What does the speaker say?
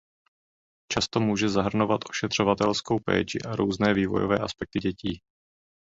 Často může zahrnovat ošetřovatelskou péči a různé vývojové aspekty dětí.